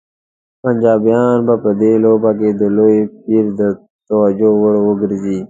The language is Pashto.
پنجابیان به په دې لوبه کې د لوی پیر د توجه وړ وګرځي.